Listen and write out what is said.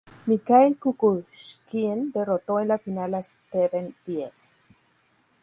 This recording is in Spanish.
Mikhail Kukushkin derrotó en la final a Steven Diez.